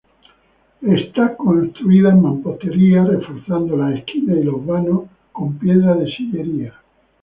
Está construida en mampostería reforzando las esquinas y los vanos con piedra de sillería.